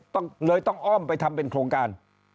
เลยต้องอ้อมไปทำเป็นโครงการ